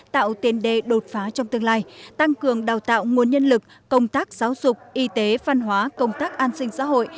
tạo tiền đề đột phá trong tương lai tăng cường đào tạo nguồn nhân lực công tác giáo dục y tế văn hóa công tác an sinh xã hội